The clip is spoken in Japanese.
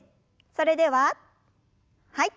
それでははい。